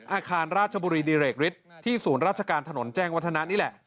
อาคารราชบุรีดิเรกฤทธิ์ที่ศูนย์ราชการถนนแจ้งวัฒนะนี่แหละ